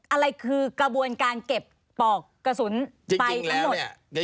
อะไรคือกระบวนการเก็บปอกกระสุนไปทั้งหมด